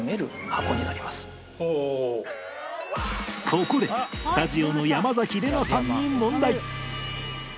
ここでスタジオの山崎怜奈さんに問題